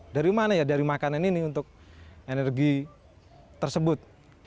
dari mana ya dari makanan ini untuk energi tersebut